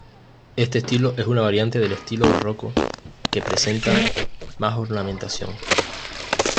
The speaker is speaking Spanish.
Este estilo es una variante del estilo barroco que presenta más ornamentación.